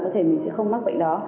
có thể mình sẽ không mắc bệnh đó